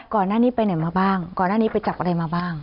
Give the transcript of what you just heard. ก่อนหน้านี้ไปไหนมาบ้างก่อนหน้านี้ไปจับอะไรมาบ้าง